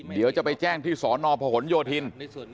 เดี๋ยวจะไปแจ้งที่สนพหนโยธิน